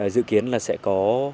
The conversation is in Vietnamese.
dự kiến là sẽ có